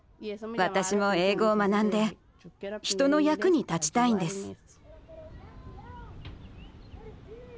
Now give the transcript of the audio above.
私も英語を学んで人の役に立ちたいんです。